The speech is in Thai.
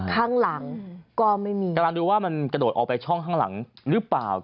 กำลังดูว่ามันกระโดดออกไปฉ่องหลังหรือเปล่า